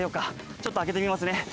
ちょっと上げてみますね。